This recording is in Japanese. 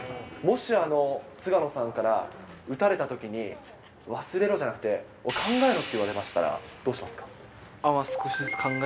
もし、菅野さんから、打たれたときに忘れろじゃなくて、考えろ！って言われましたら、どうしますか？